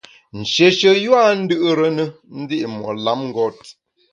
Nshéshe yua a ndù’re ne ndi’ mo’ lamngôt.